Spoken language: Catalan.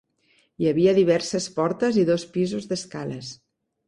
Hi havia diverses portes i dos pisos d'escales.